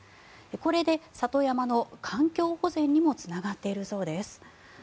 これで里山の環境保全にもつながっているそうです。